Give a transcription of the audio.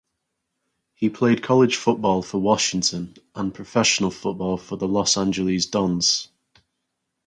He played college football for Washington and professional football for the Los Angeles Dons.